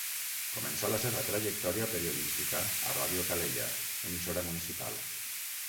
Començà la seva trajectòria periodística a Ràdio Calella, emissora municipal.